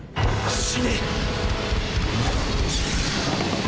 死ね！